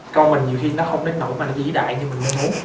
con mình nhiều khi nó không đến nỗi mà nó dĩ đại như mình muốn